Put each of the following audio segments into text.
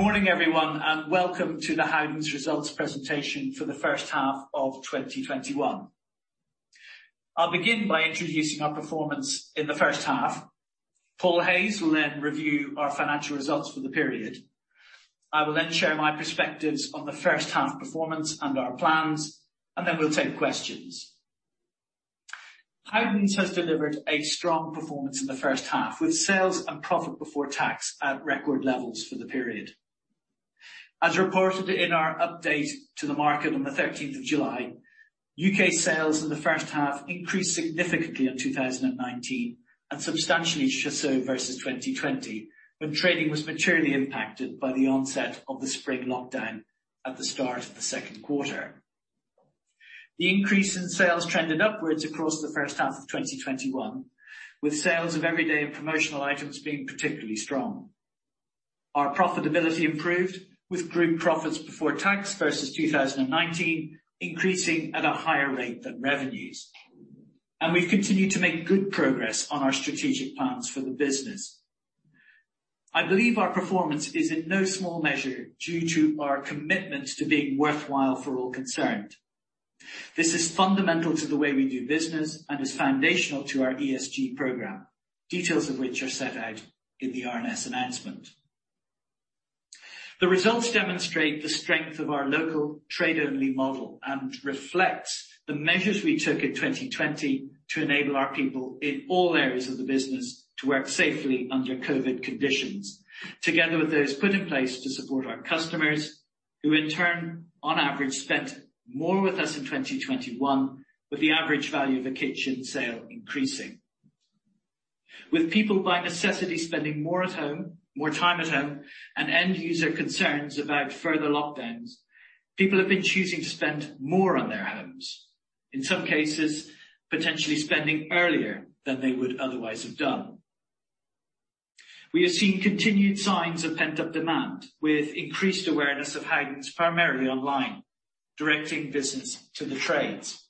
Good morning, everyone, and welcome to the Howdens results presentation for the first half of 2021. I'll begin by introducing our performance in the first half. Paul Hayes will then review our financial results for the period. I will then share my perspectives on the first half performance and our plans, and then we'll take questions. Howdens has delivered a strong performance in the first half, with sales and profit before tax at record levels for the period. As reported in our update to the market on the 13th of July, U.K. sales in the first half increased significantly in 2019 and substantially so versus 2020, when trading was materially impacted by the onset of the spring lockdown at the start of the second quarter. The increase in sales trended upwards across the first half of 2021, with sales of everyday and promotional items being particularly strong. Our profitability improved, with group profits before tax versus 2019 increasing at a higher rate than revenues. We've continued to make good progress on our strategic plans for the business. I believe our performance is in no small measure due to our commitment to being worthwhile for all concerned. This is fundamental to the way we do business and is foundational to our ESG program, details of which are set out in the RNS announcement. The results demonstrate the strength of our local trade-only model and reflects the measures we took in 2020 to enable our people in all areas of the business to work safely under COVID conditions, together with those put in place to support our customers, who in turn, on average, spent more with us in 2021, with the average value of a kitchen sale increasing. With people by necessity spending more time at home, and end user concerns about further lockdowns, people have been choosing to spend more on their homes, in some cases, potentially spending earlier than they would otherwise have done. We have seen continued signs of pent-up demand, with increased awareness of Howdens primarily online, directing business to the trades.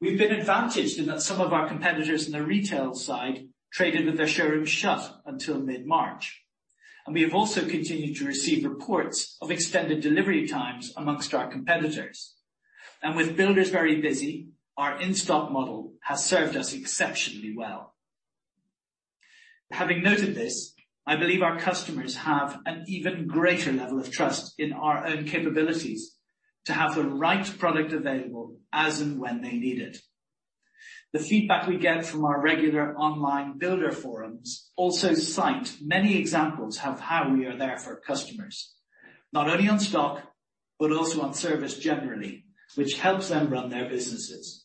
We've been advantaged in that some of our competitors in the retail side traded with their showrooms shut until mid-March, we have also continued to receive reports of extended delivery times amongst our competitors. With builders very busy, our in-stock model has served us exceptionally well. Having noted this, I believe our customers have an even greater level of trust in our own capabilities to have the right product available as and when they need it. The feedback we get from our regular online builder forums also cite many examples of how we are there for customers, not only on stock, but also on service generally, which helps them run their businesses.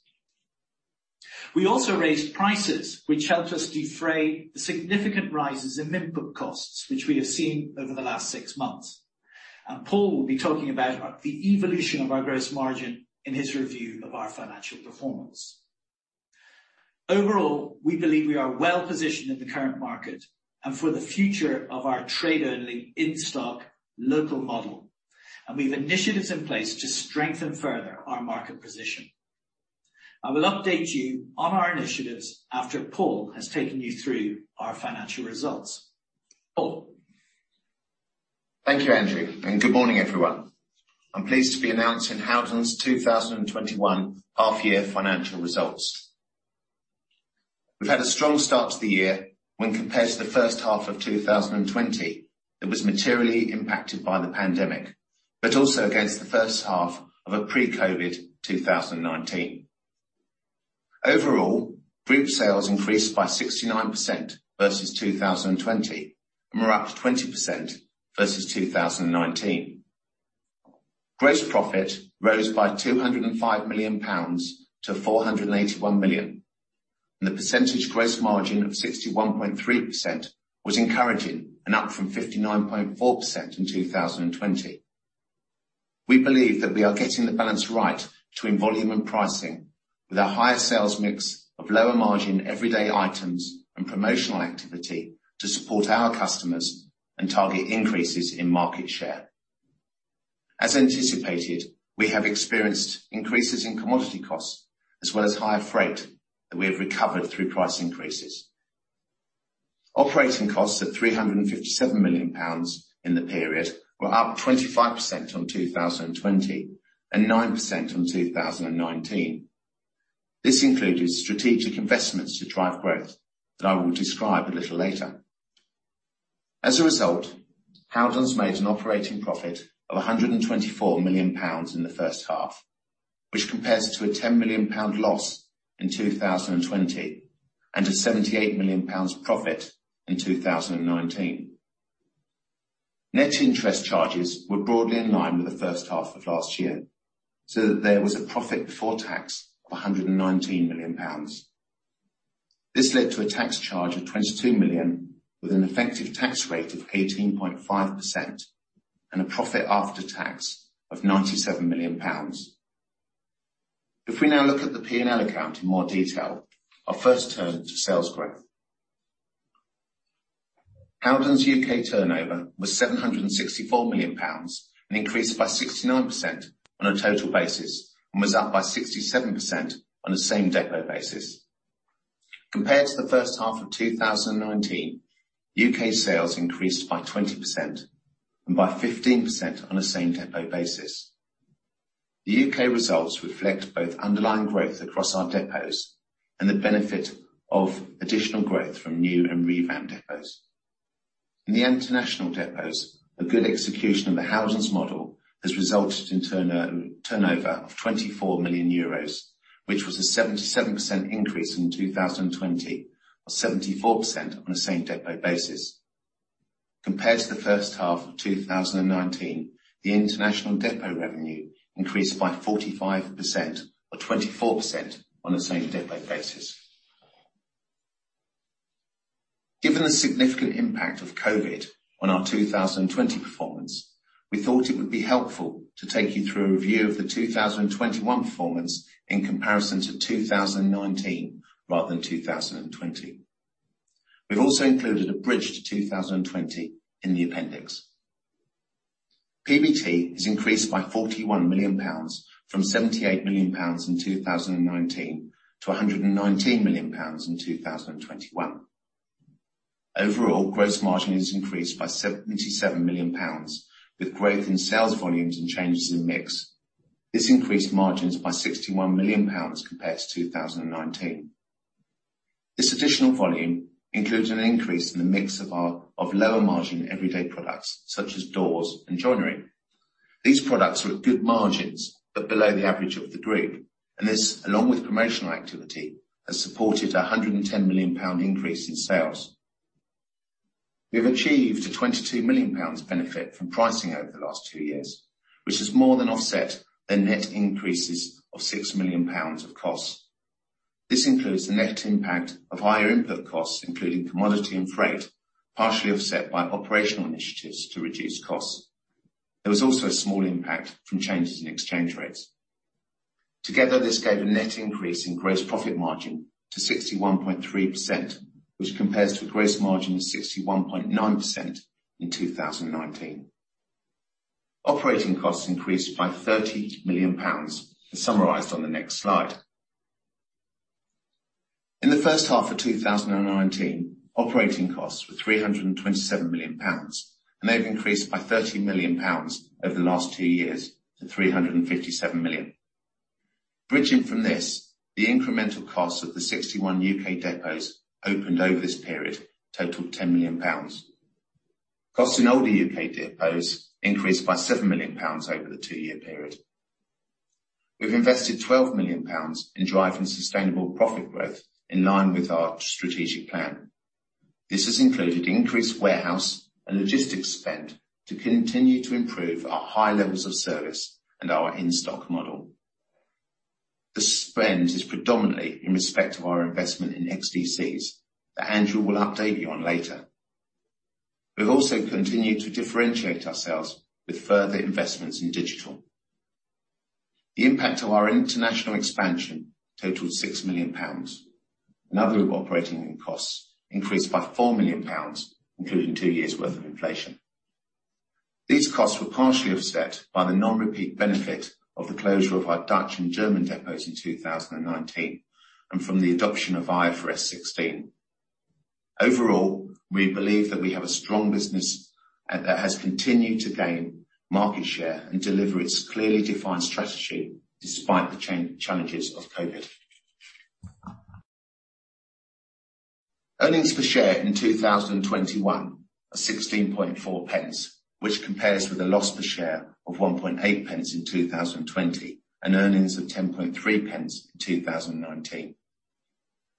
We also raised prices, which helped us defray the significant rises in input costs, which we have seen over the last six months. Paul will be talking about the evolution of our gross margin in his review of our financial performance. Overall, we believe we are well positioned in the current market and for the future of our trade-only in-stock local model, and we have initiatives in place to strengthen further our market position. I will update you on our initiatives after Paul has taken you through our financial results. Paul. Thank you, Andrew, and good morning, everyone. I'm pleased to be announcing Howdens' 2021 half year financial results. We've had a strong start to the year when compared to the first half of 2020 that was materially impacted by the pandemic, but also against the first half of a pre-COVID 2019. Overall, group sales increased by 69% versus 2020, and were up 20% versus 2019. Gross profit rose by 205 million-481 million pounds, and the percentage gross margin of 61.3% was encouraging and up from 59.4% in 2020. We believe that we are getting the balance right between volume and pricing with a higher sales mix of lower margin everyday items and promotional activity to support our customers and target increases in market share. As anticipated, we have experienced increases in commodity costs as well as higher freight that we have recovered through price increases. Operating costs at 357 million pounds in the period were up 25% on 2020 and 9% on 2019. This included strategic investments to drive growth that I will describe a little later. As a result, Howdens made an operating profit of 124 million pounds in the first half, which compares to a 10 million pound loss in 2020 and a 78 million pounds profit in 2019. Net interest charges were broadly in line with the first half of last year, so that there was a profit before tax of GBP 119 million. This led to a tax charge of GBP 22 million, with an effective tax rate of 18.5% and a profit after tax of 97 million pounds. If we now look at the P&L account in more detail, I'll first turn to sales growth. Howdens U.K. turnover was 764 million pounds, and increased by 69% on a total basis and was up by 67% on a same depot basis. Compared to the first half of 2019, U.K. sales increased by 20% and by 15% on a same depot basis. The U.K. results reflect both underlying growth across our depots and the benefit of additional growth from new and revamped depots. In the international depots, a good execution of the Howdens model has resulted in turnover of 24 million euros, which was a 77% increase from 2020, or 74% on a same depot basis. Compared to the first half of 2019, the international depot revenue increased by 45%, or 24% on a same depot basis. Given the significant impact of COVID on our 2020 performance, we thought it would be helpful to take you through a review of the 2021 performance in comparison to 2019 rather than 2020. We've also included a bridge to 2020 in the appendix. PBT is increased by 41 million pounds from 78 million pounds in 2019 to 119 million pounds in 2021. Overall, gross margin is increased by 77 million pounds with growth in sales volumes and changes in mix. This increased margins by 61 million pounds compared to 2019. This additional volume includes an increase in the mix of lower margin everyday products, such as doors and joinery. These products were at good margins, but below the average of the group, and this, along with promotional activity, has supported 110 million pound increase in sales. We have achieved a 22 million pounds benefit from pricing over the last two years, which has more than offset the net increases of 6 million pounds of costs. This includes the net impact of higher input costs, including commodity and freight, partially offset by operational initiatives to reduce costs. There was also a small impact from changes in exchange rates. Together, this gave a net increase in gross profit margin to 61.3%, which compares to a gross margin of 61.9% in 2019. Operating costs increased by 30 million pounds, as summarized on the next slide. In the first half of 2019, operating costs were 327 million pounds, and they've increased by 30 million pounds over the last two years to 357 million. Bridging from this, the incremental costs of the 61 U.K. depots opened over this period totaled 10 million pounds. Costs in older U.K. depots increased by 7 million pounds over the two-year period. We've invested 12 million pounds in driving sustainable profit growth in line with our strategic plan. This has included increased warehouse and logistics spend to continue to improve our high levels of service and our in-stock model. The spend is predominantly in respect of our investment in XDCs that Andrew will update you on later. We've also continued to differentiate ourselves with further investments in digital. The impact of our international expansion totaled 6 million pounds, and other operating costs increased by 4 million pounds, including two years worth of inflation. These costs were partially offset by the non-repeat benefit of the closure of our Dutch and German depots in 2019 and from the adoption of IFRS 16. Overall, we believe that we have a strong business that has continued to gain market share and deliver its clearly defined strategy despite the challenges of COVID. Earnings per share in 2021 are 0.164, which compares with a loss per share of 0.018 in 2020 and earnings of 0.103 in 2019.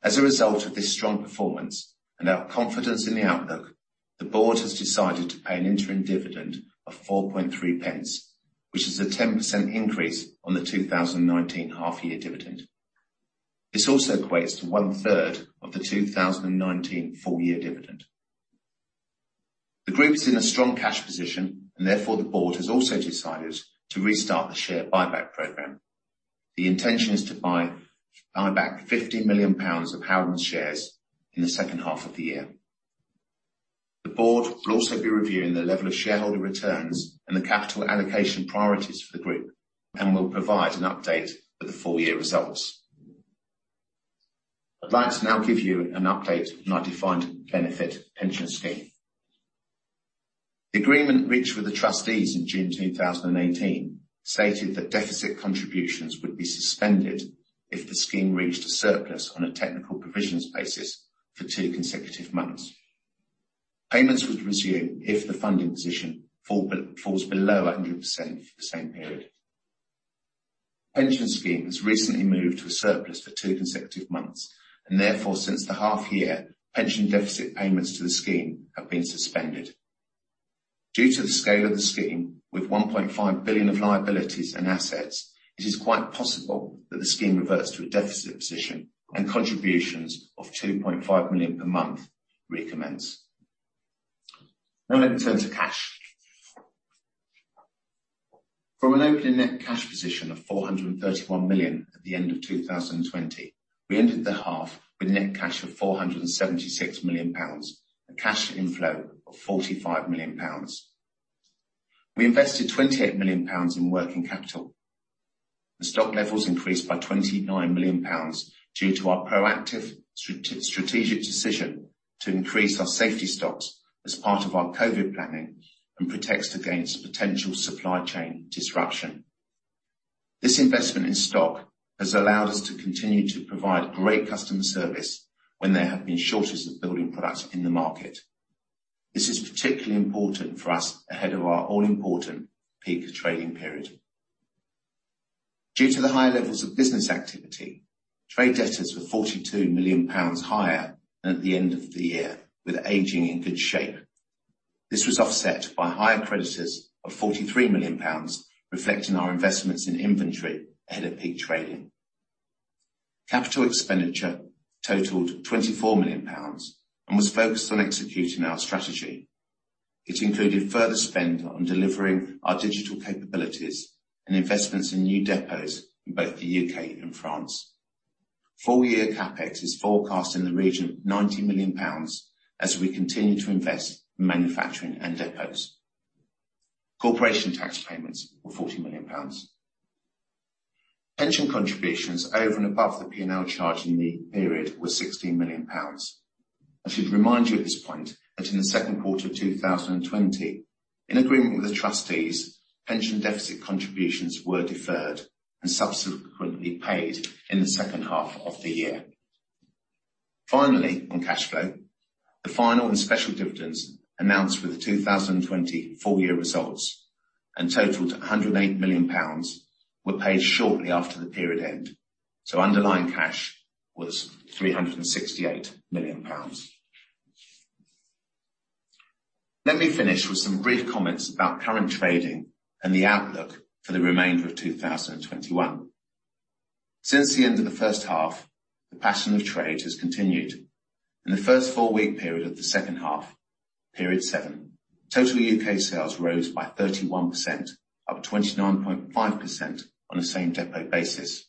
As a result of this strong performance and our confidence in the outlook, the board has decided to pay an interim dividend of 0.043, which is a 10% increase on the 2019 half-year dividend. This also equates to one-third of the 2019 full-year dividend. The Group is in a strong cash position, therefore the board has also decided to restart the share buyback program. The intention is to buy back 50 million pounds of Howden shares in the second half of the year. The board will also be reviewing the level of shareholder returns and the capital allocation priorities for the Group and will provide an update for the full-year results. I'd like to now give you an update on our defined benefit pension scheme. The agreement reached with the trustees in June 2018 stated that deficit contributions would be suspended if the scheme reached a surplus on a technical provisions basis for two consecutive months. Payments would resume if the funding position falls below 100% for the same period. Pension scheme has recently moved to a surplus for two consecutive months, therefore since the half year, pension deficit payments to the scheme have been suspended. Due to the scale of the scheme, with 1.5 billion of liabilities and assets, it is quite possible that the scheme reverts to a deficit position and contributions of 2.5 million per month recommence. Let me turn to cash. From an opening net cash position of 431 million at the end of 2020, we ended the half with net cash of 476 million pounds, a cash inflow of 45 million pounds. We invested 28 million pounds in working capital. The stock levels increased by 29 million pounds due to our proactive strategic decision to increase our safety stocks as part of our COVID planning and protects against potential supply chain disruption. This investment in stock has allowed us to continue to provide great customer service when there have been shortages of building products in the market. This is particularly important for us ahead of our all-important peak trading period. Due to the high levels of business activity, trade debtors were 42 million pounds higher than at the end of the year, with aging in good shape. This was offset by higher creditors of 43 million pounds, reflecting our investments in inventory ahead of peak trading. Capital expenditure totaled 24 million pounds and was focused on executing our strategy. It included further spend on delivering our digital capabilities and investments in new depots in both the U.K. and France. Full-year CapEx is forecast in the region of 90 million pounds as we continue to invest in manufacturing and depots. Corporation tax payments were 40 million pounds. Pension contributions over and above the P&L charge in the period were 16 million pounds. I should remind you at this point that in the second quarter of 2020, in agreement with the trustees, pension deficit contributions were deferred and subsequently paid in the second half of the year. Finally, on cash flow, the final and special dividends announced with the 2020 full-year results and totaled 108 million pounds were paid shortly after the period end, so underlying cash was 368 million pounds. Let me finish with some brief comments about current trading and the outlook for the remainder of 2021. Since the end of the first half, the pattern of trade has continued. In the 1st four-week period of the 2nd half, period seven, total U.K. sales rose by 31%, up 29.5% on a same depot basis.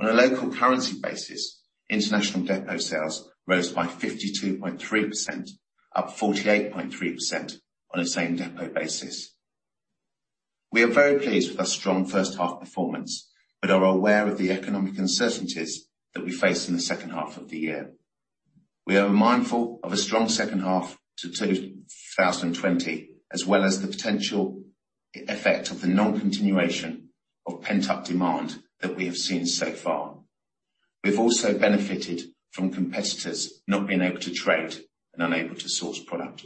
On a local currency basis, international depot sales rose by 52.3%, up 48.3% on a same depot basis. We are very pleased with our strong 1st half performance but are aware of the economic uncertainties that we face in the 2nd half of the year. We are mindful of a strong 2nd half to 2020, as well as the potential effect of the non-continuation of pent-up demand that we have seen so far. We've also benefited from competitors not being able to trade and unable to source product.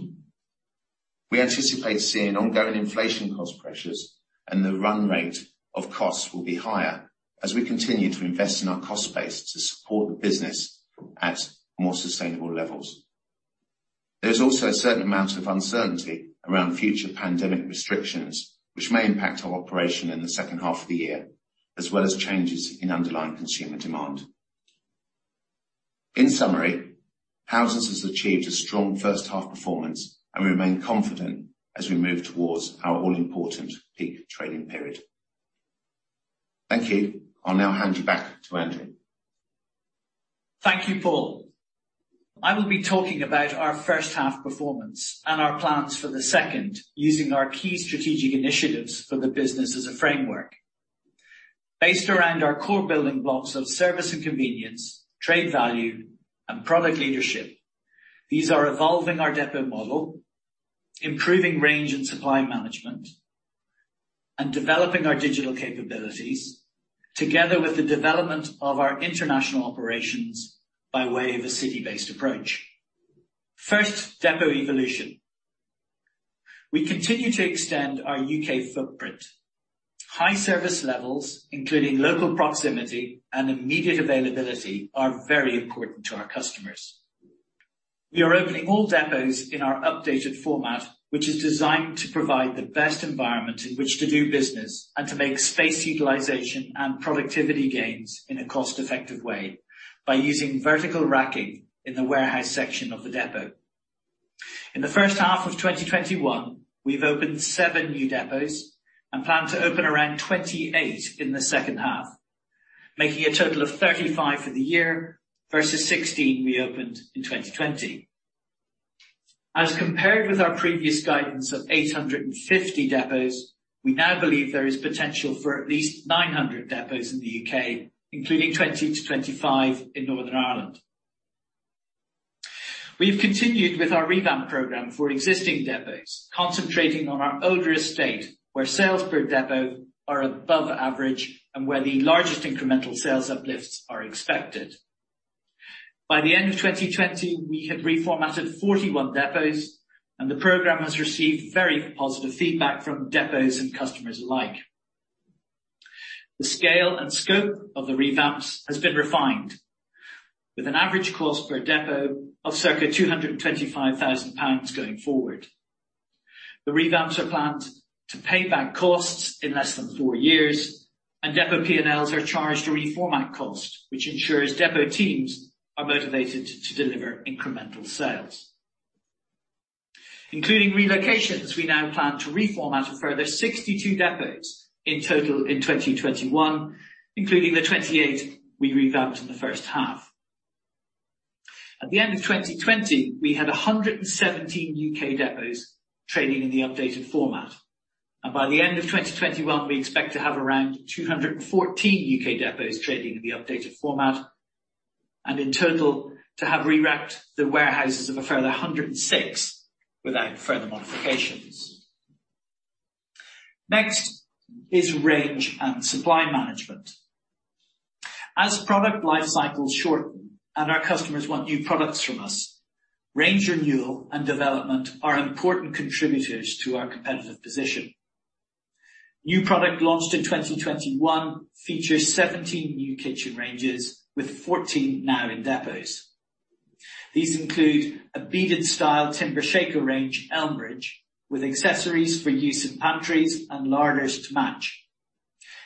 We anticipate seeing ongoing inflation cost pressures, and the run rate of costs will be higher as we continue to invest in our cost base to support the business at more sustainable levels. There is also a certain amount of uncertainty around future pandemic restrictions, which may impact our operation in the second half of the year, as well as changes in underlying consumer demand. In summary, Howdens has achieved a strong first half performance, and we remain confident as we move towards our all-important peak trading period. Thank you. I'll now hand you back to Andrew. Thank you, Paul. I will be talking about our first half performance and our plans for the second, using our key strategic initiatives for the business as a framework. Based around our core building blocks of service and convenience, trade value, and product leadership, these are evolving our depot model, improving range and supply management, and developing our digital capabilities, together with the development of our international operations by way of a city-based approach. First, depot evolution. We continue to extend our U.K. footprint. High service levels, including local proximity and immediate availability, are very important to our customers. We are opening all depots in our updated format, which is designed to provide the best environment in which to do business and to make space utilization and productivity gains in a cost-effective way by using vertical racking in the warehouse section of the depot. In the first half of 2021, we've opened seven new depots and plan to open around 28 in the second half, making a total of 35 for the year versus 16 we opened in 2020. As compared with our previous guidance of 850 depots, we now believe there is potential for at least 900 depots in the U.K., including 20-25 in Northern Ireland. We've continued with our revamp program for existing depots, concentrating on our older estate, where sales per depot are above average and where the largest incremental sales uplifts are expected. By the end of 2020, we had reformatted 41 depots, and the program has received very positive feedback from depots and customers alike. The scale and scope of the revamps has been refined with an average cost per depot of circa 225,000 pounds going forward. The revamps are planned to pay back costs in less than four years. Depot P&Ls are charged a reformat cost, which ensures depot teams are motivated to deliver incremental sales. Including relocations, we now plan to reformat a further 62 depots in total in 2021, including the 28 we revamped in the first half. At the end of 2020, we had 117 U.K. depots trading in the updated format. By the end of 2021, we expect to have around 214 U.K. depots trading in the updated format, and in total to have re-racked the warehouses of a further 106 without further modifications. Next is range and supply management. As product life cycles shorten and our customers want new products from us, range renewal and development are important contributors to our competitive position. New product launched in 2021 features 17 new kitchen ranges with 14 now in depots. These include a beaded style timber shaker range, Elmbridge, with accessories for use in pantries and larders to match.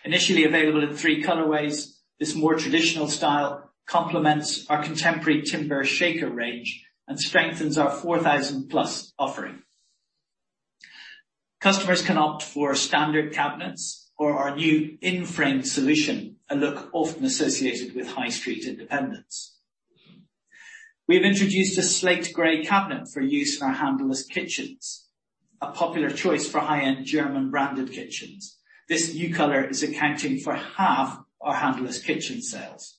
Initially available in three colorways, this more traditional style complements our contemporary timber shaker range and strengthens our 4,000+ offering. Customers can opt for standard cabinets or our new in-frame solution, a look often associated with high street independents. We've introduced a slate gray cabinet for use in our handleless kitchens, a popular choice for high-end German branded kitchens. This new color is accounting for half our handleless kitchen sales.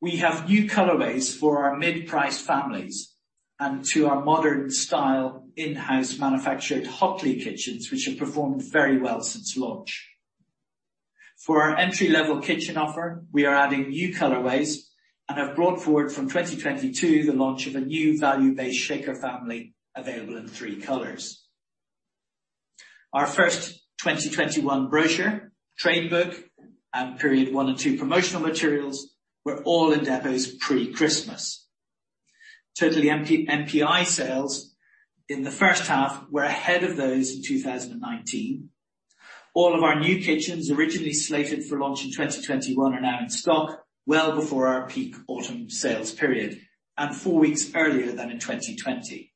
We have new colorways for our mid-priced families and to our modern style in-house manufactured Hockley kitchens, which have performed very well since launch. For our entry-level kitchen offer, we are adding new colorways and have brought forward from 2022 the launch of a new value-based shaker family available in three colors. Our first 2021 brochure, Trade Book, and period one and two promotional materials were all in depots pre-Christmas. Total NPI sales in the first half were ahead of those in 2019. All of our new kitchens originally slated for launch in 2021 are now in stock, well before our peak autumn sales period, and four weeks earlier than in 2020,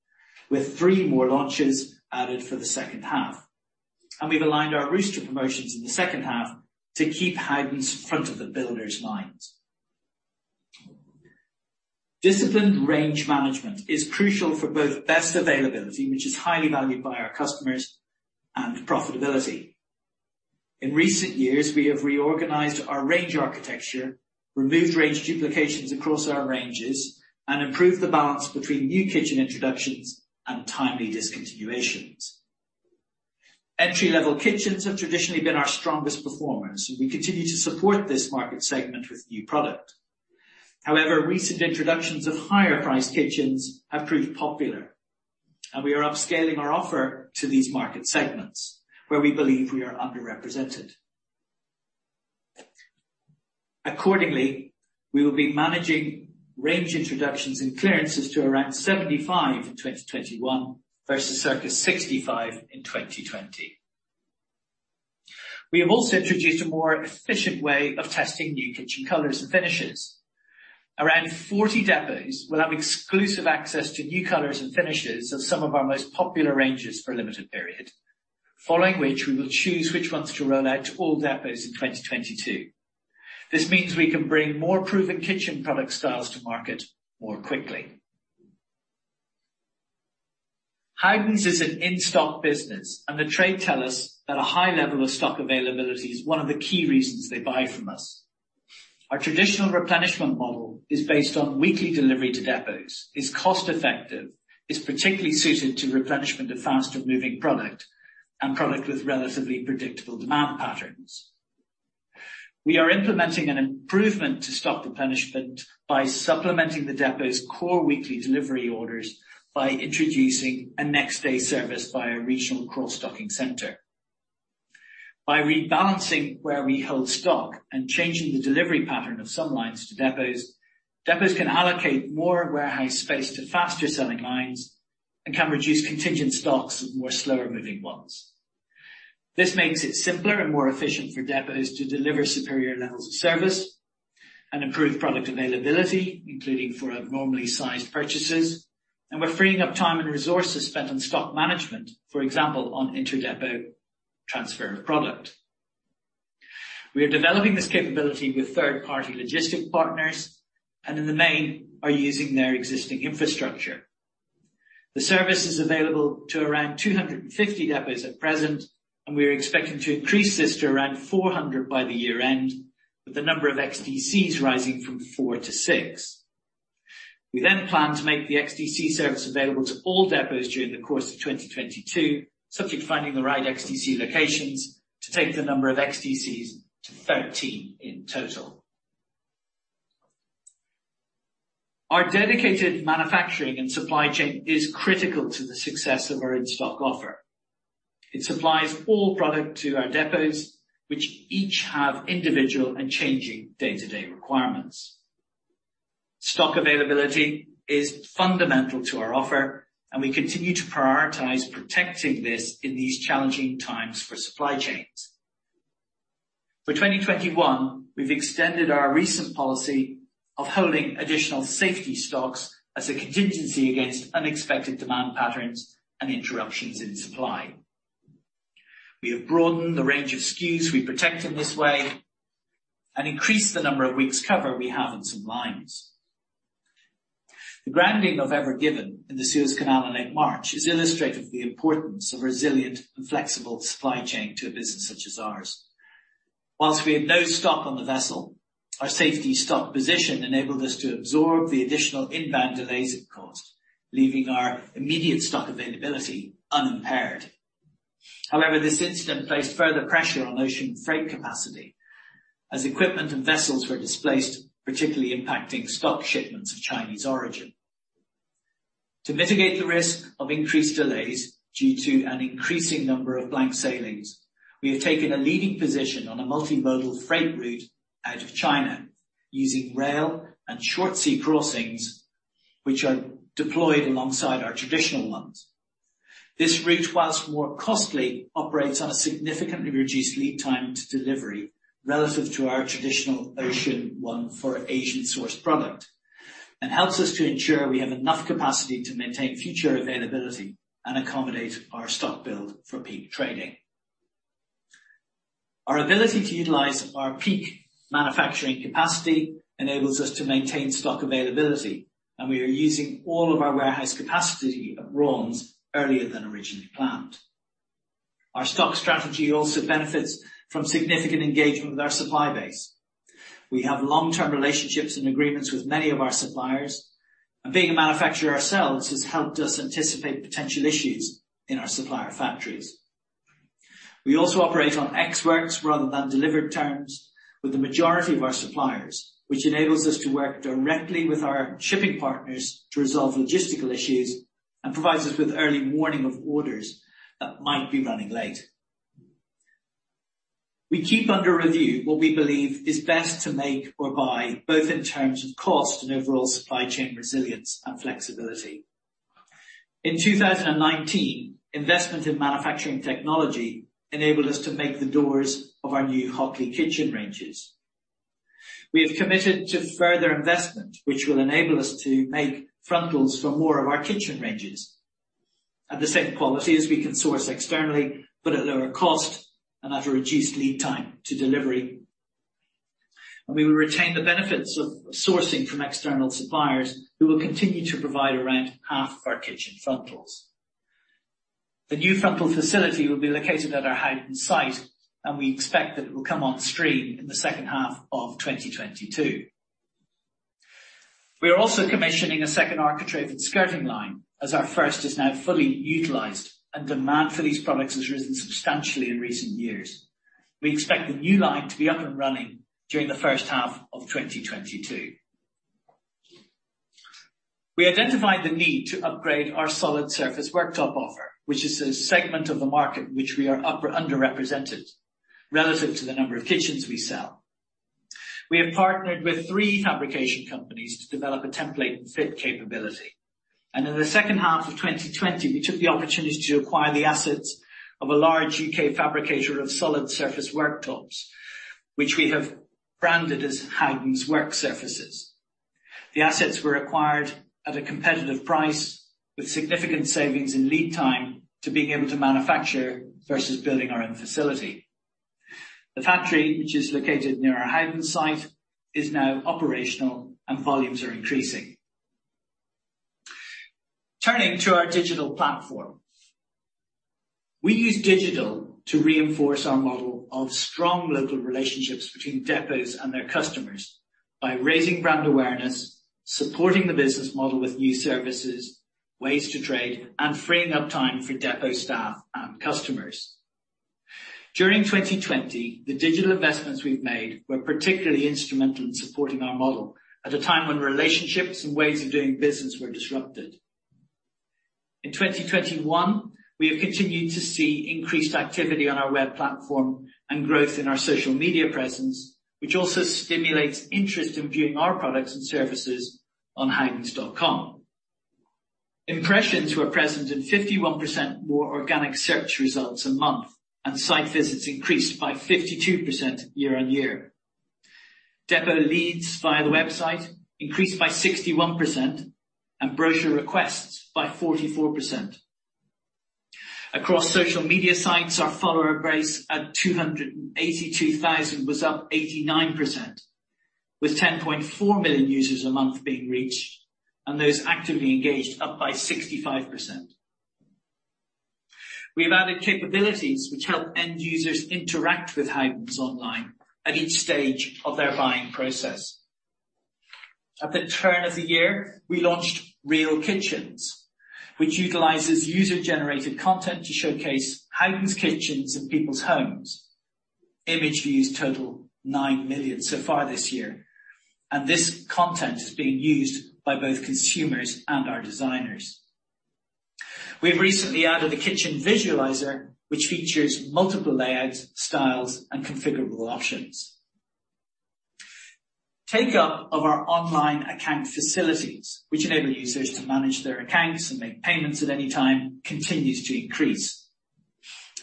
with three more launches added for the second half. We've aligned our Rooster promotions in the second half to keep Howdens front of the builders lines. Disciplined range management is crucial for both best availability, which is highly valued by our customers, and profitability. In recent years, we have reorganized our range architecture, removed range duplications across our ranges, and improved the balance between new kitchen introductions and timely discontinuations. Entry-level kitchens have traditionally been our strongest performers, and we continue to support this market segment with new product. However, recent introductions of higher priced kitchens have proved popular, and we are upscaling our offer to these market segments where we believe we are underrepresented. Accordingly, we will be managing range introductions and clearances to around 75 in 2021 versus circa 65 in 2020. We have also introduced a more efficient way of testing new kitchen colors and finishes. Around 40 depots will have exclusive access to new colors and finishes of some of our most popular ranges for a limited period. Following which, we will choose which ones to roll out to all depots in 2022. This means we can bring more proven kitchen product styles to market more quickly. Howdens is an in-stock business, and the trade tell us that a high level of stock availability is one of the key reasons they buy from us. Our traditional replenishment model is based on weekly delivery to depots, is cost-effective, is particularly suited to replenishment of faster moving product, and product with relatively predictable demand patterns. We are implementing an improvement to stock replenishment by supplementing the depot's core weekly delivery orders by introducing a next day service via regional cross-docking centre. By rebalancing where we hold stock and changing the delivery pattern of some lines to depots can allocate more warehouse space to faster selling lines and can reduce contingent stocks of more slower moving ones. This makes it simpler and more efficient for depots to deliver superior levels of service and improve product availability, including for abnormally sized purchases, and we're freeing up time and resources spent on stock management, for example, on inter-depot transfer of product. We are developing this capability with third-party logistic partners and in the main are using their existing infrastructure. We are expecting to increase this to around 400 by the year end, with the number of XDCs rising from four to six. We plan to make the XDC service available to all depots during the course of 2022, subject to finding the right XDC locations to take the number of XDCs to 13 in total. Our dedicated manufacturing and supply chain is critical to the success of our in-stock offer. It supplies all product to our depots, which each have individual and changing day-to-day requirements. We continue to prioritize protecting this in these challenging times for supply chains. For 2021, we've extended our recent policy of holding additional safety stocks as a contingency against unexpected demand patterns and interruptions in supply. We have broadened the range of SKUs we protect in this way and increased the number of weeks cover we have in some lines. The grounding of Ever Given in the Suez Canal in late March is illustrative of the importance of a resilient and flexible supply chain to a business such as ours. While we had no stock on the vessel, our safety stock position enabled us to absorb the additional inbound delays it caused, leaving our immediate stock availability unimpaired. However, this incident placed further pressure on ocean freight capacity as equipment and vessels were displaced, particularly impacting stock shipments of Chinese origin. To mitigate the risk of increased delays due to an increasing number of blank sailings, we have taken a leading position on a multimodal freight route out of China, using rail and short sea crossings which are deployed alongside our traditional ones. This route, whilst more costly, operates on a significantly reduced lead time to delivery relative to our traditional ocean one for Asian sourced product and helps us to ensure we have enough capacity to maintain future availability and accommodate our stock build for peak trading. Our ability to utilize our peak manufacturing capacity enables us to maintain stock availability, and we are using all of our warehouse capacity at Raunds earlier than originally planned. Our stock strategy also benefits from significant engagement with our supply base. We have long-term relationships and agreements with many of our suppliers, and being a manufacturer ourselves has helped us anticipate potential issues in our supplier factories. We also operate on ex works rather than delivered terms with the majority of our suppliers, which enables us to work directly with our shipping partners to resolve logistical issues and provides us with early warning of orders that might be running late. We keep under review what we believe is best to make or buy, both in terms of cost and overall supply chain resilience and flexibility. In 2019, investment in manufacturing technology enabled us to make the doors of our new Hockley kitchen ranges. We have committed to further investment, which will enable us to make frontals for more of our kitchen ranges at the same quality as we can source externally, but at lower cost and at a reduced lead time to delivery. We will retain the benefits of sourcing from external suppliers who will continue to provide around half of our kitchen frontals. The new frontal facility will be located at our Howden site, and we expect that it will come on stream in the second half of 2022. We are also commissioning a second architrave and skirting line as our first is now fully utilized and demand for these products has risen substantially in recent years. We expect the new line to be up and running during the first half of 2022. We identified the need to upgrade our solid surface worktop offer, which is a segment of the market which we are underrepresented relative to the number of kitchens we sell. In the second half of 2020, we took the opportunity to acquire the assets of a large U.K. fabricator of solid surface worktops, which we have branded as Howdens Work Surfaces. The assets were acquired at a competitive price with significant savings in lead time to being able to manufacture versus building our own facility. The factory, which is located near our Howden site, is now operational and volumes are increasing. Turning to our digital platform. We use digital to reinforce our model of strong local relationships between depots and their customers by raising brand awareness, supporting the business model with new services, ways to trade, and freeing up time for depot staff and customers. During 2020, the digital investments we've made were particularly instrumental in supporting our model at a time when relationships and ways of doing business were disrupted. In 2021, we have continued to see increased activity on our web platform and growth in our social media presence, which also stimulates interest in viewing our products and services on howdens.com. Impressions were present in 51% more organic search results a month, and site visits increased by 52% year-on-year. Depot leads via the website increased by 61% and brochure requests by 44%. Across social media sites, our follower base at 282,000 was up 89%, with 10.4 million users a month being reached and those actively engaged up by 65%. We have added capabilities which help end users interact with Howdens online at each stage of their buying process. At the turn of the year, we launched Real Kitchens, which utilizes user-generated content to showcase Howdens kitchens in people's homes. Image views total nine million so far this year, and this content is being used by both consumers and our designers. We have recently added a kitchen visualizer, which features multiple layouts, styles, and configurable options. Take-up of our online account facilities, which enable users to manage their accounts and make payments at any time, continues to increase.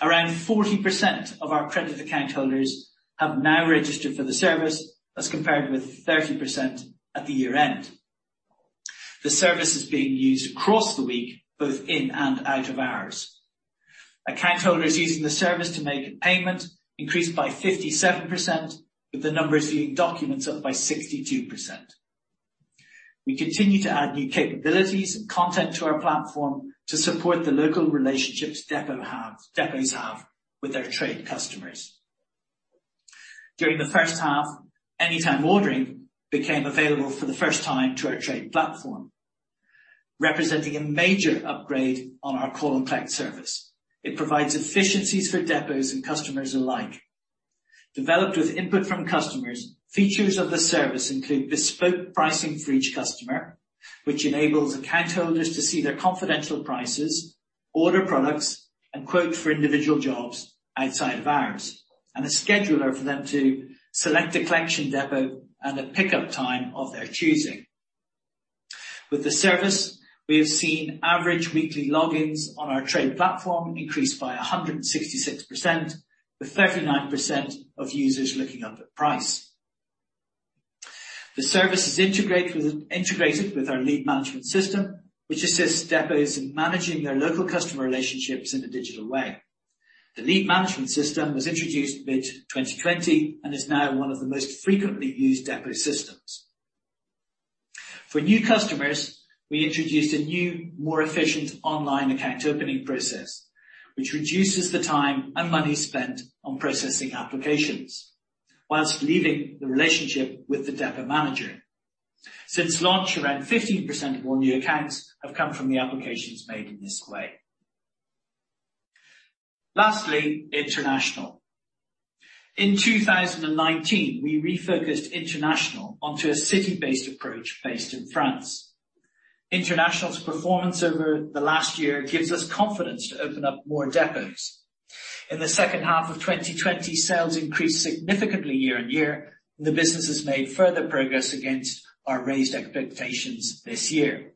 Around 40% of our credit account holders have now registered for the service as compared with 30% at the year end. The service is being used across the week, both in and out of hours. Account holders using the service to make a payment increased by 57%, with the numbers viewing documents up by 62%. We continue to add new capabilities and content to our platform to support the local relationships depots have with their trade customers. During the first half, anytime ordering became available for the first time to our trade platform, representing a major upgrade on our call and collect service. It provides efficiencies for depots and customers alike. Developed with input from customers, features of the service include bespoke pricing for each customer, which enables account holders to see their confidential prices, order products, and quote for individual jobs outside of hours, and a scheduler for them to select a collection depot and a pickup time of their choosing. With the service, we have seen average weekly logins on our trade platform increase by 166%, with 39% of users looking up at price. The service is integrated with our lead management system, which assists depots in managing their local customer relationships in a digital way. The lead management system was introduced mid-2020 and is now one of the most frequently used depot systems. For new customers, we introduced a new, more efficient online account opening process, which reduces the time and money spent on processing applications while leaving the relationship with the depot manager. Since launch, around 15% of all new accounts have come from the applications made in this way. Lastly, international. In 2019, we refocused international onto a city-based approach based in France. International's performance over the last year gives us confidence to open up more depots. In the second half of 2020, sales increased significantly year-on-year. The business has made further progress against our raised expectations this year.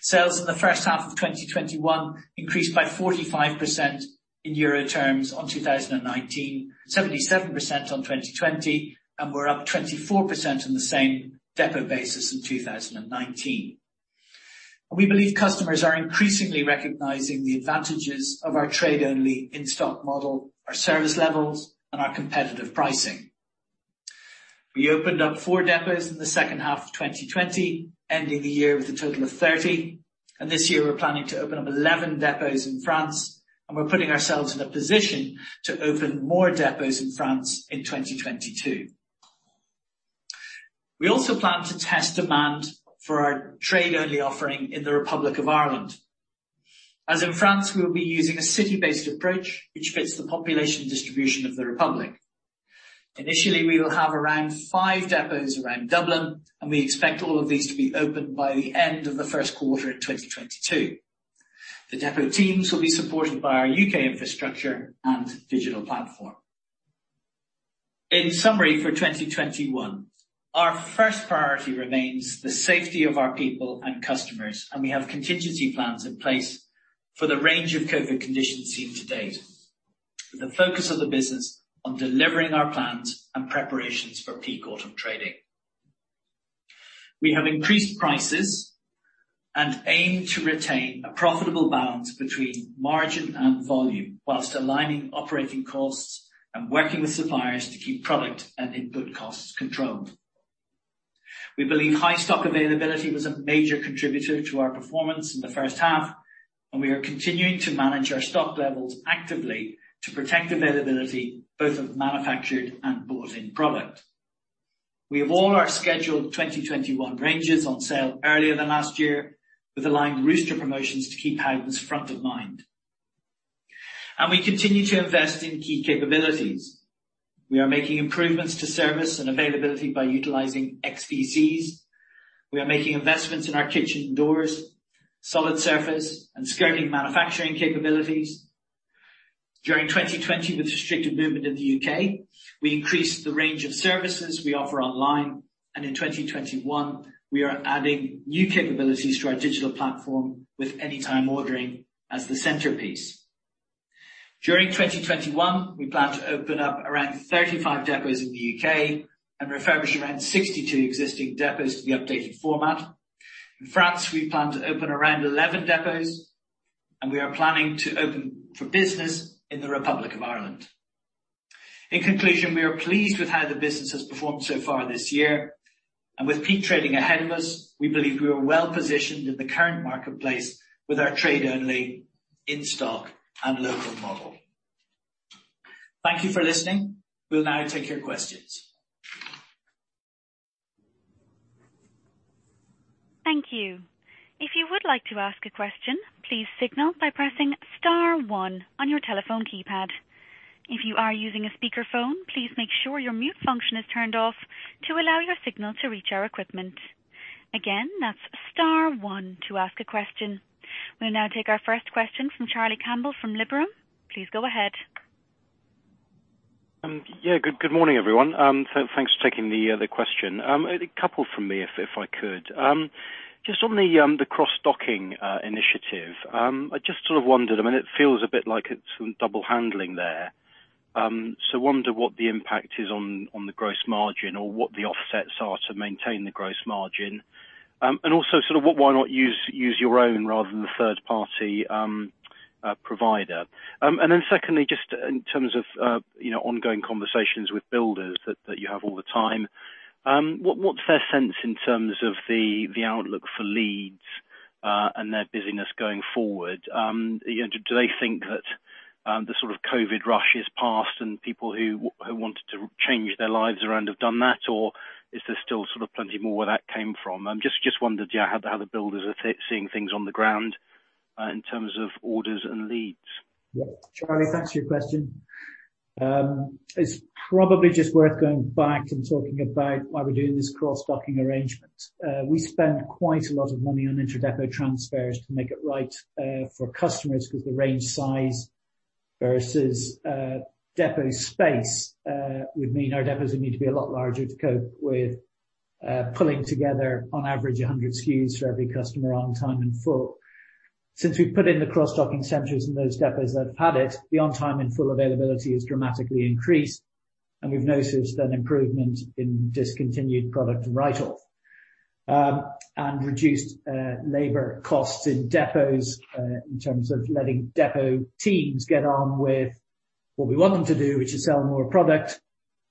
Sales in the first half of 2021 increased by 45% in euro terms on 2019, 77% on 2020, and were up 24% on the same depot basis in 2019. We believe customers are increasingly recognizing the advantages of our trade-only in-stock model, our service levels, and our competitive pricing. We opened up four depots in the second half of 2020, ending the year with a total of 30. This year we're planning to open up 11 depots in France. We're putting ourselves in a position to open more depots in France in 2022. We also plan to test demand for our trade-only offering in the Republic of Ireland. As in France, we will be using a city-based approach, which fits the population distribution of the Republic. Initially, we will have around five depots around Dublin. We expect all of these to be open by the end of the first quarter in 2022. The depot teams will be supported by our U.K. infrastructure and digital platform. In summary, for 2021, our first priority remains the safety of our people and customers, and we have contingency plans in place for the range of COVID conditions seen to date, with the focus of the business on delivering our plans and preparations for peak autumn trading. We have increased prices and aim to retain a profitable balance between margin and volume while aligning operating costs and working with suppliers to keep product and input costs controlled. We believe high stock availability was a major contributor to our performance in the first half, and we are continuing to manage our stock levels actively to protect availability both of manufactured and bought in product. We have all our scheduled 2021 ranges on sale earlier than last year, with aligned Rooster promotions to keep Howdens front of mind. We continue to invest in key capabilities. We are making improvements to service and availability by utilizing XDCs. We are making investments in our kitchen doors, solid surface, and skirting manufacturing capabilities. During 2020 with restricted movement in the U.K., we increased the range of services we offer online, and in 2021, we are adding new capabilities to our digital platform with anytime ordering as the centerpiece. During 2021, we plan to open up around 35 depots in the U.K. and refurbish around 62 existing depots to the updated format. In France, we plan to open around 11 depots, and we are planning to open for business in the Republic of Ireland. In conclusion, we are pleased with how the business has performed so far this year. With peak trading ahead of us, we believe we are well-positioned in the current marketplace with our trade only in-stock and local model. Thank you for listening. We'll now take your questions. Thank you. If you would like to ask a question, please signal by pressing star one on your telephone keypad. If you are using a speakerphone, please make sure your mute function is turned off to allow your signal to reach our equipment. Again, that's star one to ask a question. We'll now take our first question from Charlie Campbell from Liberum. Please go ahead. Good morning, everyone. Thanks for taking the question. A couple from me, if I could. Just on the cross-docking initiative, I just sort of wondered, I mean, it feels a bit like some double handling there. So I wonder what the impact is on the gross margin or what the offsets are to maintain the gross margin. Also, why not use your own rather than the third party provider? Secondly, just in terms of ongoing conversations with builders that you have all the time, what's their sense in terms of the outlook for leads, and their busyness going forward? Do they think that the sort of COVID rush is passed and people who wanted to change their lives around have done that? Or is there still plenty more where that came from? Just wondered how the builders are seeing things on the ground in terms of orders and leads. Yeah. Charlie, thanks for your question. It's probably just worth going back and talking about why we're doing this cross-docking arrangement. We spend quite a lot of money on inter-depot transfers to make it right for customers, because the range size versus depot space would mean our depots would need to be a lot larger to cope with pulling together, on average, 100 SKUs for every customer on time in full. Since we've put in the cross-docking centres in those depots that have had it, the on time and in full availability has dramatically increased, and we've noticed an improvement in discontinued product write-off. Reduced labor costs in depots, in terms of letting depot teams get on with what we want them to do, which is sell more product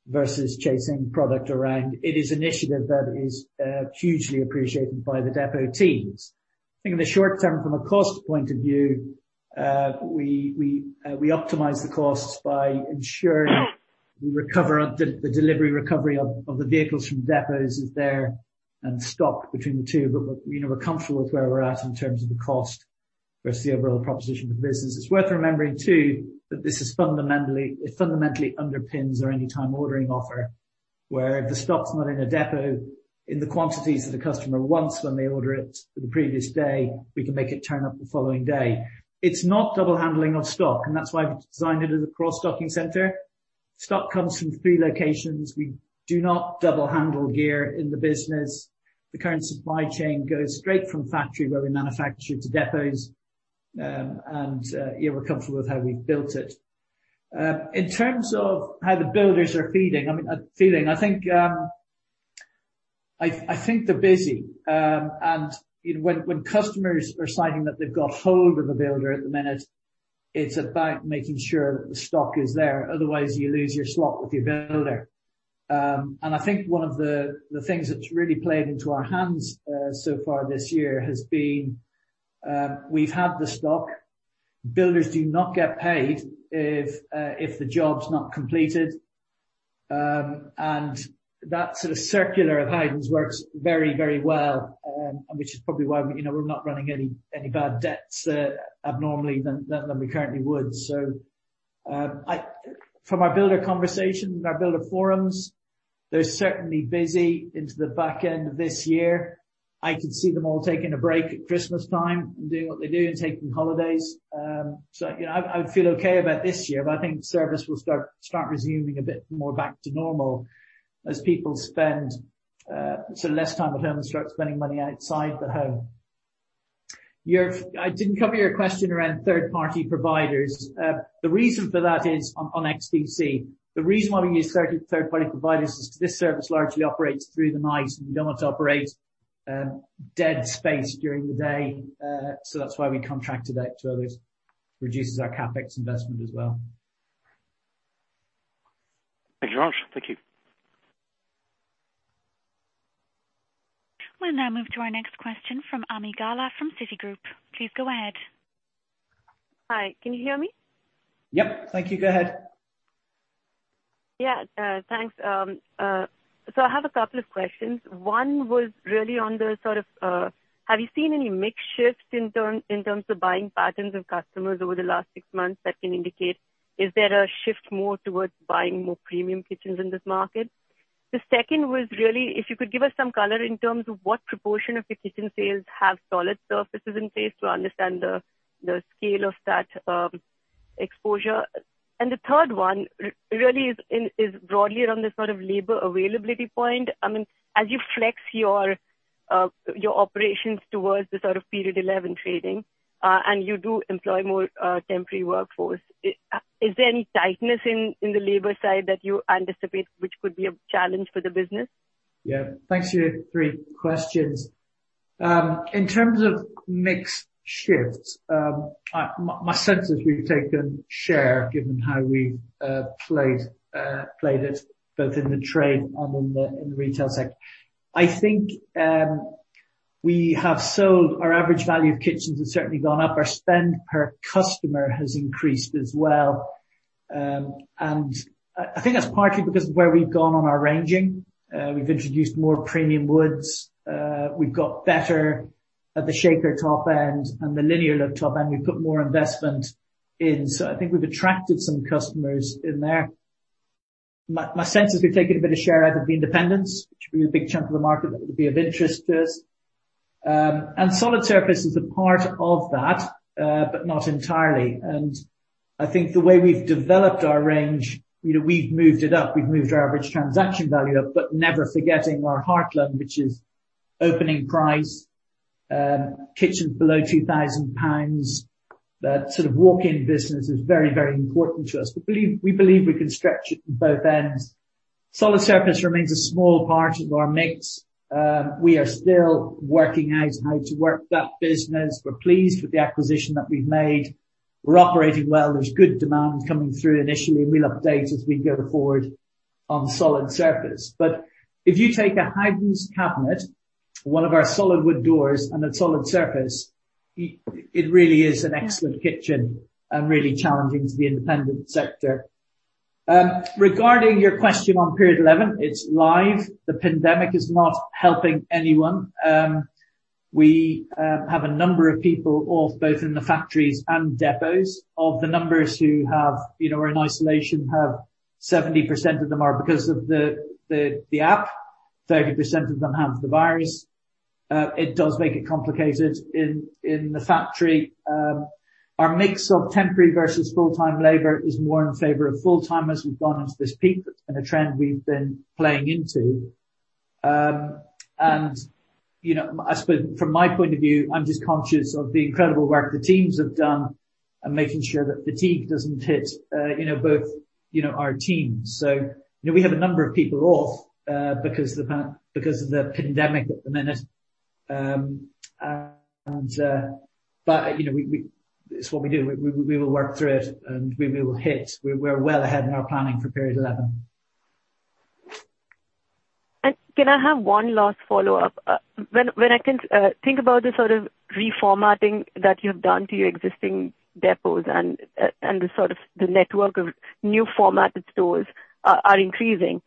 versus chasing product around. It is initiative that is hugely appreciated by the depot teams. I think in the short term, from a cost point of view, we optimize the costs by ensuring we recover the delivery, recovery of the vehicles from depots is there and stock between the two. We're comfortable with where we're at in terms of the cost versus the overall proposition for the business. It's worth remembering too, that it fundamentally underpins our anytime ordering offer, where if the stock's not in a depot in the quantities that the customer wants when they order it for the previous day, we can make it turn up the following day. It's not double handling of stock, and that's why we've designed it as a cross-docking centre. Stock comes from three locations. We do not double handle gear in the business. The current supply chain goes straight from factory, where we manufacture to depots, and we're comfortable with how we've built it. In terms of how the builders are feeling, I think they're busy. When customers are citing that they've got hold of a builder at the minute, it's about making sure that the stock is there, otherwise you lose your slot with your builder. I think one of the things that's really played into our hands so far this year has been, we've had the stock. Builders do not get paid if the job's not completed. That circular of Howden's works very, very well, which is probably why we're not running any bad debts abnormally than we currently would. From our builder conversations and our builder forums, they're certainly busy into the back end of this year. I could see them all taking a break at Christmas time and doing what they do and taking holidays. I feel okay about this year, but I think service will start resuming a bit more back to normal as people spend less time at home and start spending money outside the home. I didn't cover your question around third party providers. The reason for that is on XDC. The reason why we use third party providers is because this service largely operates through the night, and we don't want to operate dead space during the day. That's why we contracted out to others. Reduces our CapEx investment as well. Thank you. We'll now move to our next question from Ami Galla from Citigroup. Please go ahead. Hi, can you hear me? Yep. Thank you. Go ahead. Yeah. Thanks. I have a couple of questions. One was really on the, have you seen any mix shifts in terms of buying patterns of customers over the last six months that can indicate, is there a shift more towards buying more premium kitchens in this market? The second was really if you could give us some color in terms of what proportion of your kitchen sales have solid surfaces in place to understand the scale of that exposure. The third one really is broadly around this labor availability point. As you flex your operations towards the period 11 trading, and you do employ more temporary workforce, is there any tightness in the labor side that you anticipate which could be a challenge for the business? Yeah. Thanks for your three questions. In terms of mix shifts, my sense is we've taken share given how we've played it both in the trade and in the retail sector. I think our average value of kitchens has certainly gone up. Our spend per customer has increased as well. I think that's partly because of where we've gone on our ranging. We've introduced more premium woods. We've got better at the shaker top end and the linear look top end. We've put more investment in. I think we've attracted some customers in there. My sense is we've taken a bit of share out of the independents, which would be a big chunk of the market that would be of interest to us. Solid surface is a part of that, but not entirely. I think the way we've developed our range, we've moved it up, we've moved our average transaction value up, but never forgetting our heartland, which is opening price, kitchens below 2,000 pounds. That walk-in business is very, very important to us. We believe we can stretch it from both ends. Solid surface remains a small part of our mix. We are still working out how to work that business. We're pleased with the acquisition that we've made. We're operating well. There's good demand coming through initially, and we'll update as we go forward on solid surface. If you take a Howdens cabinet, one of our solid wood doors, and a solid surface, it really is an excellent kitchen and really challenging to the independent sector. Regarding your question on period 11, it's live. The pandemic is not helping anyone. We have a number of people off, both in the factories and depots. Of the numbers who are in isolation, 70% of them are because of the app, 30% of them have the virus. It does make it complicated in the factory. Our mix of temporary versus full-time labor is more in favor of full-time as we've gone into this peak. That's been a trend we've been playing into. I suppose from my point of view, I'm just conscious of the incredible work the teams have done and making sure that fatigue doesn't hit both our teams. We have a number of people off because of the pandemic at the minute. It's what we do. We will work through it, and we're well ahead in our planning for period 11. Can I have one last follow-up? When I think about the sort of reformatting that you’ve done to your existing depots and the sort of the network of new formatted stores are increasing,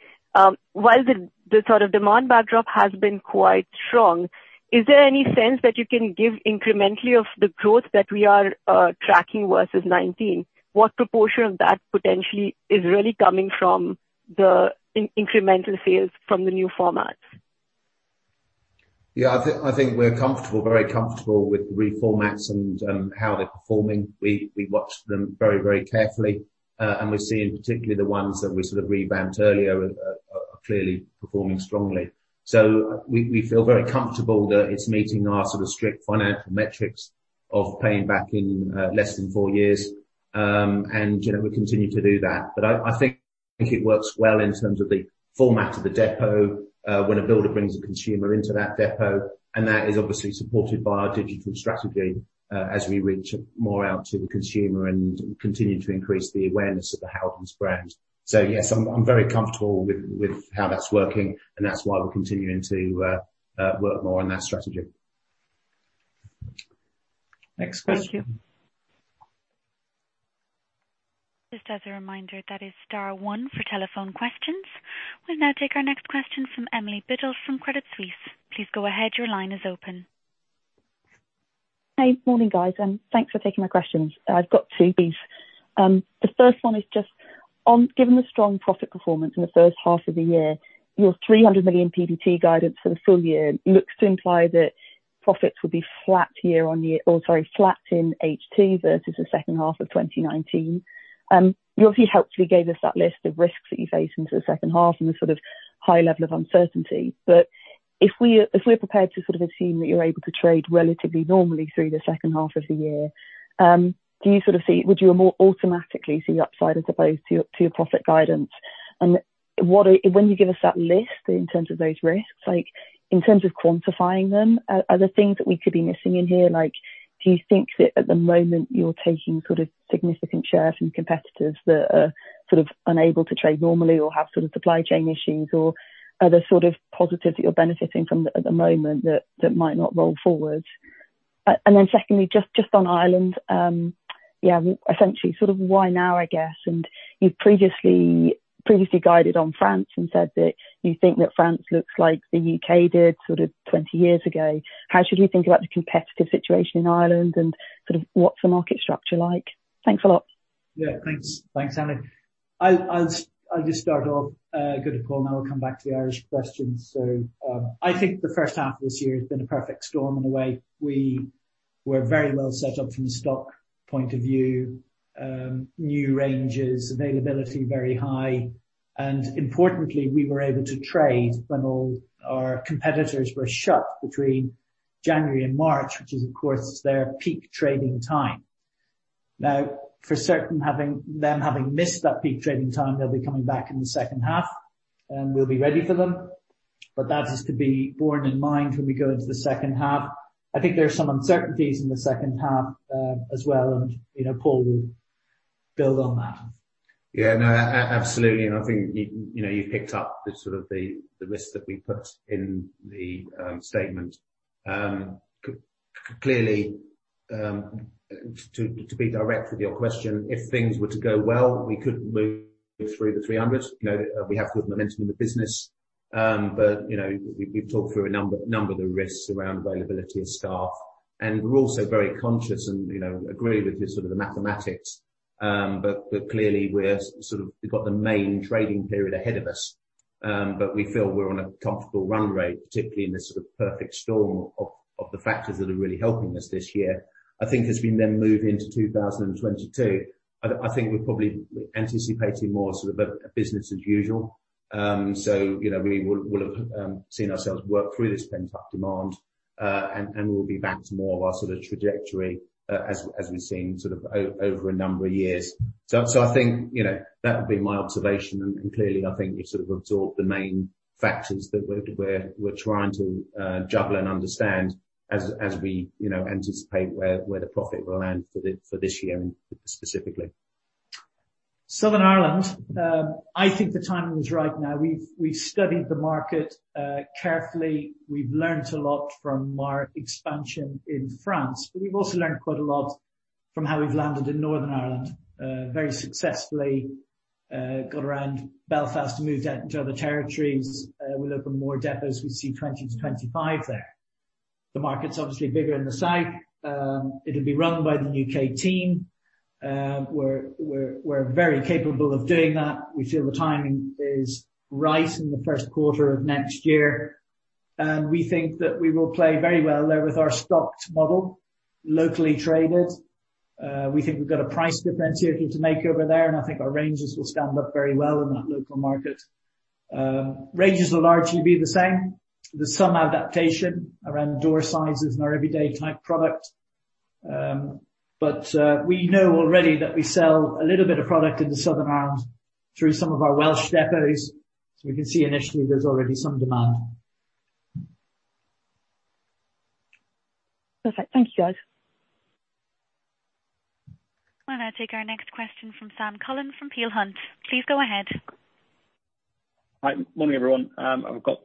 while the sort of demand backdrop has been quite strong, is there any sense that you can give incrementally of the growth that we are tracking versus 2019? What proportion of that potentially is really coming from the incremental sales from the new formats? Yeah. I think we're very comfortable with the reformats and how they're performing. We watch them very carefully, and we're seeing, particularly the ones that we revamped earlier, are clearly performing strongly. We feel very comfortable that it's meeting our strict financial metrics of paying back in less than four years, and we continue to do that. I think it works well in terms of the format of the depot, when a builder brings a consumer into that depot, and that is obviously supported by our digital strategy as we reach more out to the consumer and continue to increase the awareness of the Howdens brand. Yes, I'm very comfortable with how that's working, and that's why we're continuing to work more on that strategy. Next question. Thank you. Just as a reminder, that is star one for telephone questions. We will now take our next question from Emily Biddulph from Credit Suisse. Please go ahead. Your line is open. Morning, guys, and thanks for taking my questions. I've got two of these. The 1st one is just on, given the strong profit performance in the 1st half of the year, your 300 million PBT guidance for the full year looks to imply that profits will be flat year on year, or sorry, flat in H2 versus the 2nd half of 2019. You obviously helpfully gave us that list of risks that you face into the 2nd half and the high level of uncertainty. If we're prepared to assume that you're able to trade relatively normally through the 2nd half of the year, would you more automatically see upside as opposed to your profit guidance? When you give us that list in terms of those risks, in terms of quantifying them, are there things that we could be missing in here? Do you think that at the moment you're taking significant share from competitors that are unable to trade normally or have supply chain issues, or are there positives that you're benefiting from at the moment that might not roll forward? Secondly, just on Ireland, essentially, why now, I guess? You've previously guided on France and said that you think that France looks like the U.K. did 20 years ago. How should we think about the competitive situation in Ireland, and what's the market structure like? Thanks a lot. Yeah, thanks, Emily. I'll just start off. Go to Paul, and I will come back to the Irish question. I think the first half of this year has been a perfect storm in a way. We were very well set up from a stock point of view. New ranges, availability very high, and importantly, we were able to trade when all our competitors were shut between January and March, which is, of course, their peak trading time. For certain, them having missed that peak trading time, they'll be coming back in the second half, and we'll be ready for them. That is to be borne in mind when we go into the second half. I think there are some uncertainties in the second half as well, and Paul will build on that. Yeah. No, absolutely, and I think you picked up the risks that we put in the statement. Clearly, to be direct with your question, if things were to go well, we could move through the 300. We have good momentum in the business. We've talked through a number of the risks around availability of staff, and we're also very conscious and agree with the mathematics. Clearly, we've got the main trading period ahead of us. We feel we're on a comfortable run rate, particularly in this perfect storm of the factors that are really helping us this year. I think as we then move into 2022, I think we're probably anticipating more business as usual. We will have seen ourselves work through this pent-up demand, and we'll be back to more of our sort of trajectory, as we've seen over a number of years. I think that would be my observation and clearly, I think we've sort of absorbed the main factors that we're trying to juggle and understand as we anticipate where the profit will land for this year specifically. Southern Ireland. I think the timing is right now. We've studied the market carefully. We've learned a lot from our expansion in France, but we've also learned quite a lot from how we've landed in Northern Ireland very successfully. We've got around Belfast and moved out into other territories. We'll open more depots as we see 20-25 there. The market's obviously bigger in the south. It'll be run by the U.K. team. We're very capable of doing that. We feel the timing is right in the first quarter of next year, and we think that we will play very well there with our stocked model, locally traded. We think we've got a price differential to make over there, and I think our ranges will stand up very well in that local market. Ranges will largely be the same. There's some adaptation around door sizes and our everyday type product. We know already that we sell a little bit of product into Southern Ireland through some of our Welsh depots. We can see initially there's already some demand. Perfect. Thank you, guys. We'll now take our next question from Sam Cullen from Peel Hunt. Please go ahead. Hi. Morning, everyone. I've got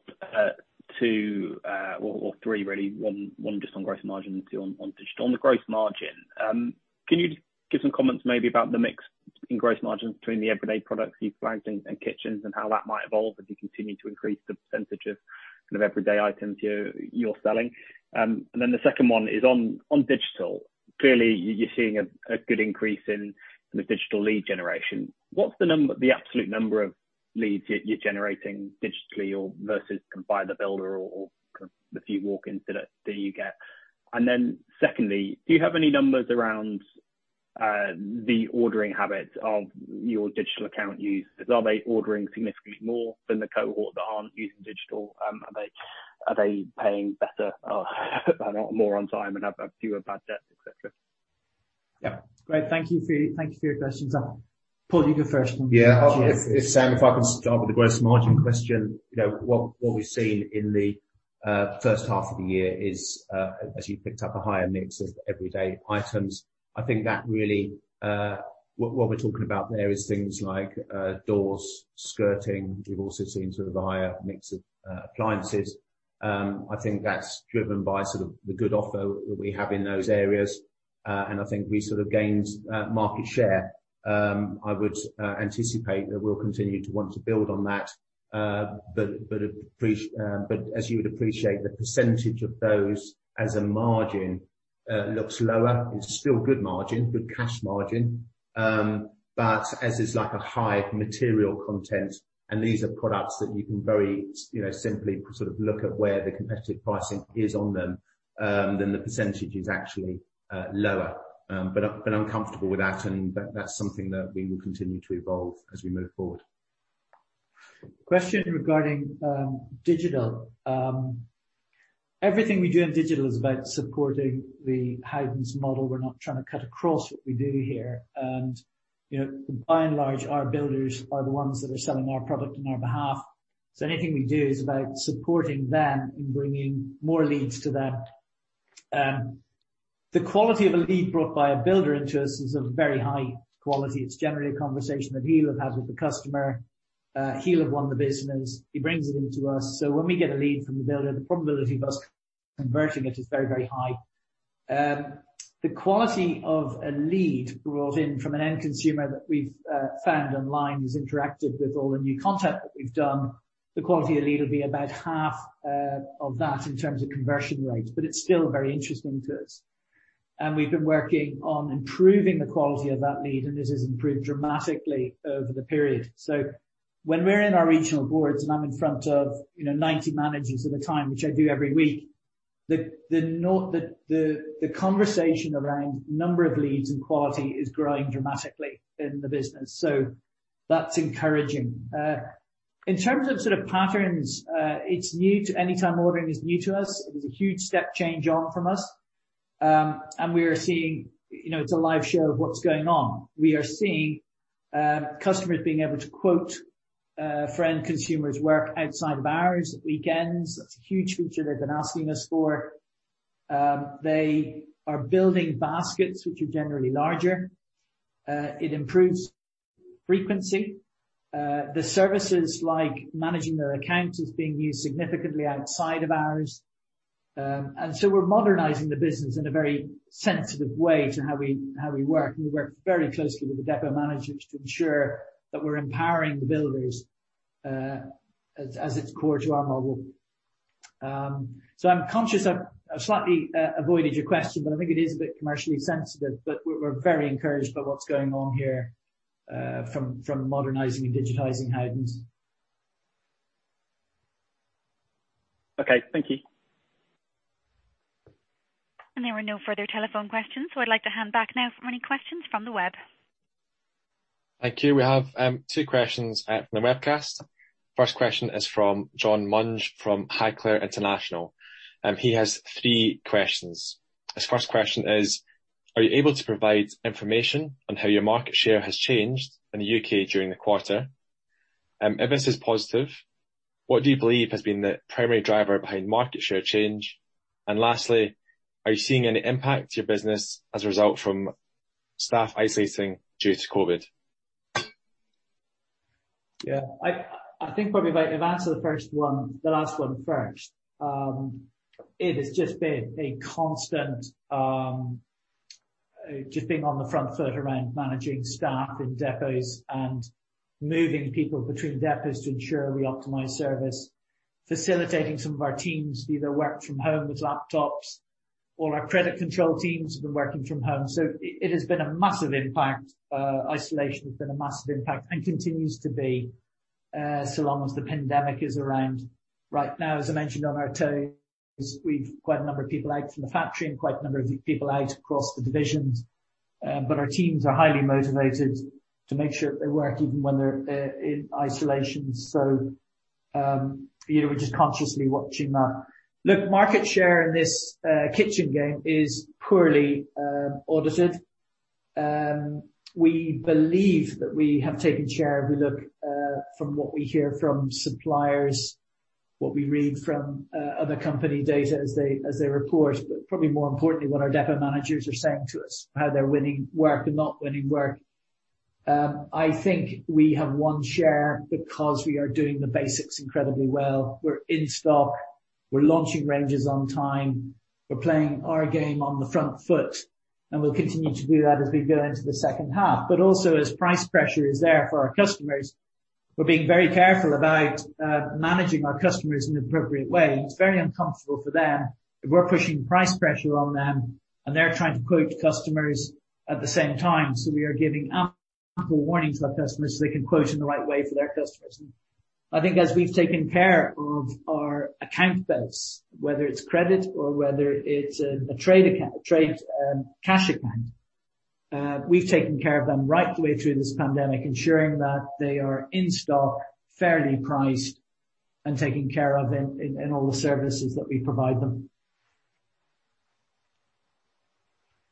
two or three really, one just on gross margin, two on digital. On the gross margin, can you give some comments maybe about the mix in gross margins between the everyday products you flagged and kitchens and how that might evolve as you continue to increase the % of everyday items you're selling? The second one is on digital. Clearly, you're seeing a good increase in the digital lead generation. What's the absolute number of leads you're generating digitally or versus by the builder or the few walk-ins that you get? Secondly, do you have any numbers around the ordering habits of your digital account users? Are they ordering significantly more than the cohort that aren't using digital? Are they paying better or more on time and have fewer bad debts, et cetera? Great. Thank you for your questions. Paul, you go first on that. Yeah. Sam, if I could start with the gross margin question. What we've seen in the first half of the year is, as you picked up, a higher mix of everyday items. I think that really what we're talking about there is things like doors, skirting. We've also seen a higher mix of appliances. I think that's driven by the good offer that we have in those areas. I think I sort of gained market share. I would anticipate that we'll continue to want to build on that. As you would appreciate, the percentage of those as a margin looks lower. It's still good margin, good cash margin. As is like a high material content, and these are products that you can very simply look at where the competitive pricing is on them, then the percentage is actually lower. I'm comfortable with that, and that's something that we will continue to evolve as we move forward. Question regarding digital. Everything we do in digital is about supporting the Howdens' model. We're not trying to cut across what we do here. By and large, our builders are the ones that are selling our product on our behalf. Anything we do is about supporting them in bringing more leads to them. The quality of a lead brought by a builder into us is of very high quality. It's generally a conversation that he'll have had with the customer. He'll have won the business. He brings it into us. When we get a lead from the builder, the probability of us converting it is very, very high. The quality of a lead brought in from an end consumer that we've found online, has interacted with all the new content that we've done, the quality of lead will be about half of that in terms of conversion rates, but it's still very interesting to us. We've been working on improving the quality of that lead, and it has improved dramatically over the period. When we're in our regional boards and I'm in front of 90 managers at a time, which I do every week, the conversation around number of leads and quality is growing dramatically in the business. That's encouraging. In terms of patterns, any time ordering is new to us. It is a huge step change on from us. We are seeing it's a live show of what's going on. We are seeing customers being able to quote for end consumers work outside of hours, at weekends. That's a huge feature they've been asking us for. They are building baskets which are generally larger. It improves frequency. The services like managing their accounts is being used significantly outside of hours. We're modernizing the business in a very sensitive way to how we work. We work very closely with the depot managers to ensure that we're empowering the builders as it's core to our model. I'm conscious I've slightly avoided your question, but I think it is a bit commercially sensitive, but we're very encouraged by what's going on here from modernizing and digitizing Howdens. Okay. Thank you. There were no further telephone questions, so I'd like to hand back now for any questions from the web. Thank you. We have two questions from the webcast. First question is from John Munge from Highclere International. He has three questions. His first question is, are you able to provide information on how your market share has changed in the U.K. during the quarter? If this is positive, what do you believe has been the primary driver behind market share change? Lastly, are you seeing any impact to your business as a result from staff isolating due to COVID? I think probably if I answer the last one first. It has just been a constant, just being on the front foot around managing staff in depots and moving people between depots to ensure we optimize service, facilitating some of our teams to either work from home with laptops. All our credit control teams have been working from home. It has been a massive impact. Isolation has been a massive impact and continues to be so long as the pandemic is around. Right now, as I mentioned on our tours, we've quite a number of people out from the factory and quite a number of people out across the divisions. Our teams are highly motivated to make sure that they work even when they're in isolation. We're just consciously watching that. Look, market share in this kitchen game is poorly audited. We believe that we have taken share if we look from what we hear from suppliers, what we read from other company data as they report, but probably more importantly, what our depot managers are saying to us, how they're winning work and not winning work. I think we have won share because we are doing the basics incredibly well. We're in stock, we're launching ranges on time, we're playing our game on the front foot, and we'll continue to do that as we go into the second half. Also, as price pressure is there for our customers, we're being very careful about managing our customers in an appropriate way. It's very uncomfortable for them if we're pushing price pressure on them and they're trying to quote customers at the same time. We are giving ample warning to our customers so they can quote in the right way for their customers. I think as we've taken care of our account base, whether it's credit or whether it's a trade cash account, we've taken care of them right the way through this pandemic, ensuring that they are in stock, fairly priced, and taken care of in all the services that we provide them.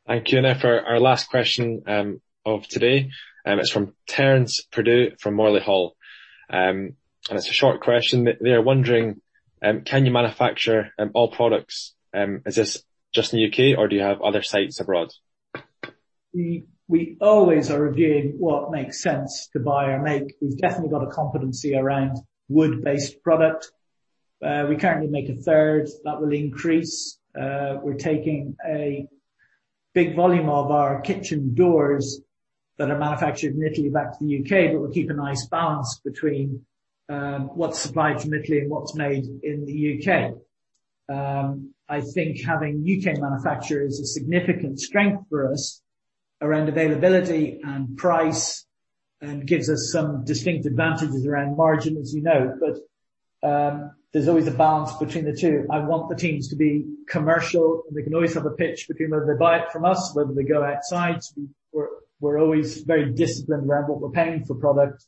Thank you. For our last question of today, it is from Terence Perdue from Morley Hall. It is a short question. They are wondering, can you manufacture all products? Is this just in the U.K. or do you have other sites abroad? We always are reviewing what makes sense to buy or make. We've definitely got a competency around wood-based product. We currently make a third. That will increase. We're taking a big volume of our kitchen doors that are manufactured in Italy back to the U.K., but we'll keep a nice balance between what's supplied from Italy and what's made in the U.K. I think having U.K. manufacture is a significant strength for us around availability and price and gives us some distinct advantages around margin, as you know. There's always a balance between the two. I want the teams to be commercial, and they can always have a pitch between whether they buy it from us, whether they go outside. We're always very disciplined around what we're paying for product.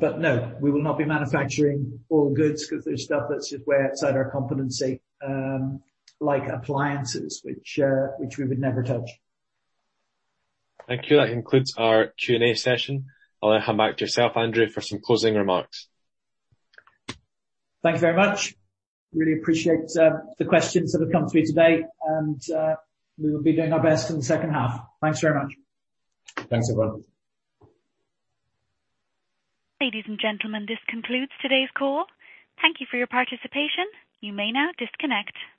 No, we will not be manufacturing all goods because there's stuff that's just way outside our competency, like appliances, which we would never touch. Thank you. That concludes our Q&A session. I'll hand back to yourself, Andrew, for some closing remarks. Thank you very much. Really appreciate the questions that have come through today. We will be doing our best in the second half. Thanks very much. Thanks, everyone. Ladies and gentlemen, this concludes today's call. Thank you for your participation. You may now disconnect.